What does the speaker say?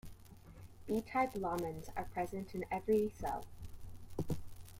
B-type lamins are present in every cell.